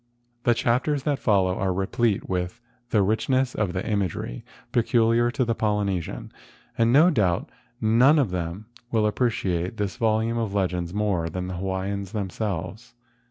The chapters that follow are replete with the richness of the imagery peculiar to the Polyne¬ sian, and no doubt none will appreciate this vol¬ ume of legends more than the people of Hawaii themselves.